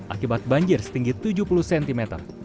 akibat banjir setinggi tujuh puluh cm